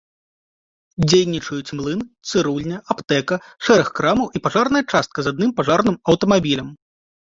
Дзейнічаюць млын, цырульня, аптэка, шэраг крамаў і пажарная частка з адным пажарным аўтамабілем.